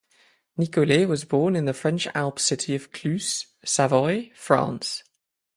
Nicollet was born in the French Alpes city of Cluses, Savoy, France.